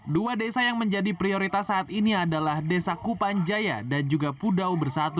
dua desa yang menjadi prioritas saat ini adalah desa kupanjaya dan juga pudau bersatu